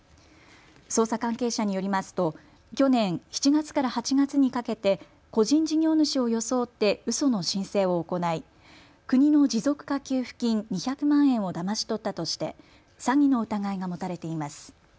捜査関係者によりますと去年７月から８月にかけて個人事業主を装ってうその申請を行い国の持続化給付金２００万円をだまし取ったとして詐欺の疑いが持たれています。